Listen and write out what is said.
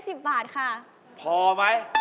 ได้๑๐บาทค่ะพอไหม